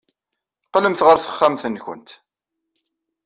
Qqlemt ɣer texxamt-nwent.